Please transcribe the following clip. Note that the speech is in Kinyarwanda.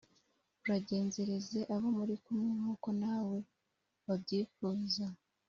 Uragenzereze abo muri kumwe nk’uko na we wabyifuza,